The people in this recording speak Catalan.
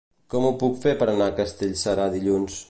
Com ho puc fer per anar a Castellserà dilluns?